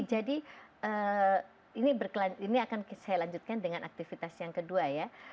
jadi ini akan saya lanjutkan dengan aktivitas yang kedua ya